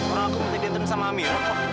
orang aku mesti diantar sama amira